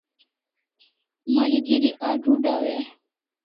Malgeri adudaw e?